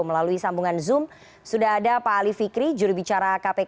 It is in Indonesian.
melalui sambungan zoom sudah ada pak ali fikri juri bicara kpk